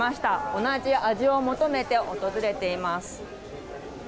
同じ味を求めて訪れています。